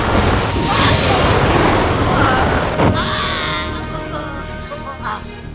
aku akan membunuhmu